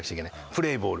プレーボール。